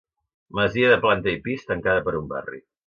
Masia de planta i pis, tancada per un barri.